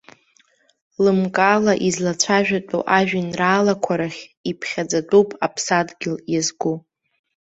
Лымкаала излацәажәатәу ажәеинраалақәа рахь иԥхьаӡатәуп аԥсадгьыл иазку.